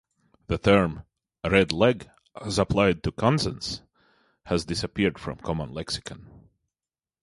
The term "Red Leg" as applied to Kansans has disappeared from common lexicon.